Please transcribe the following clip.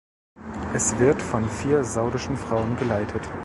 Es wird von vier saudischen Frauen geleitet.